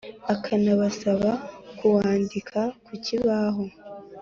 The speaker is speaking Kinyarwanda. akanabasaba kuwandika ku kibaho.